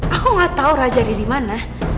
aku gak tahu raja ada di mana